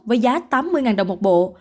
với giá tám mươi đồng một bộ